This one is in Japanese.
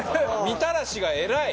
みたらしが偉い。